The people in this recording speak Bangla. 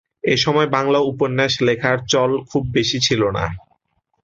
এসময় বাংলা উপন্যাস লেখার চল খুব বেশি ছিল না।